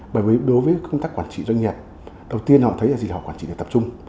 bởi vì đối với công tác quản trị doanh nghiệp đầu tiên họ thấy là gì họ quản trị được tập trung